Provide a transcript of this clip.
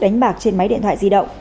đánh bạc trên máy điện thoại di động